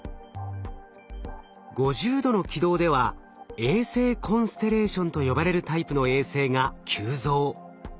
５０度の軌道では衛星コンステレーションと呼ばれるタイプの衛星が急増。